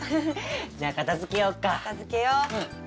じゃあ片付けようか。